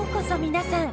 皆さん。